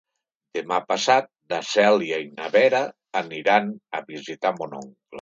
Demà passat na Cèlia i na Vera aniran a visitar mon oncle.